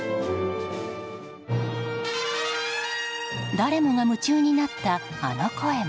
誰もが夢中になったあの声も。